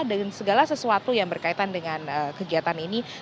dan segala sesuatu yang berkaitan dengan kegiatan ini